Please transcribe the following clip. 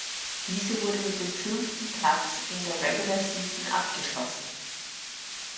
Diese wurde mit dem fünften Platz in der Regular Season abgeschlossen.